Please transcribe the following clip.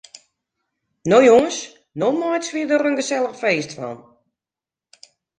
No jonges, no meitsje we der in gesellich feest fan.